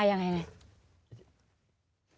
อ่ะยังไง